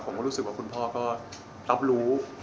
รู้สึกว่าคุณพ่อก็รับรู้